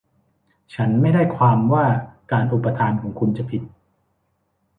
ฉันไม่ได้ความว่าการอุปทานของคุณจะผิด